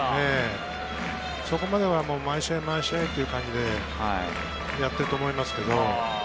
そこまでは毎試合毎試合という感じでやっていると思いますけど。